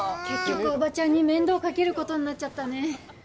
結局おばちゃんに面倒かけることになっちゃったね